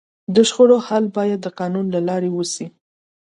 د شخړو حل باید د قانون له لارې وسي.